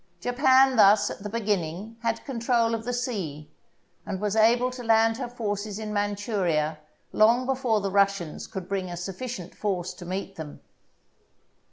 Japan thus, at the beginning, had control of the sea, and was able to land her forces in Manchuria long before the Russians could bring a sufficient force to meet them.